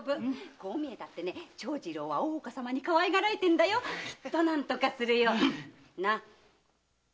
こう見えても長次郎は大岡様にかわいがられてんだよ。きっと何とかするよ。なあ？